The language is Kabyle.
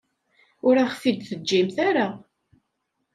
Ur aɣ-t-id-teǧǧamt ara.